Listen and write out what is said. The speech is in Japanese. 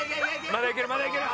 まだいけるまだいける！